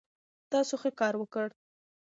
تاسو ښه کار وکړ